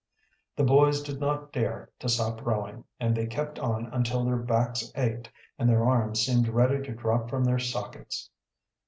The boys did not dare to stop rowing, and they kept on until their backs ached and their arms seemed ready to drop from their sockets.